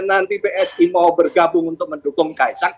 nanti psi mau bergabung untuk mendukung kaisang